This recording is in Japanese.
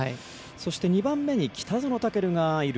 そして２番目に北園丈琉がいる。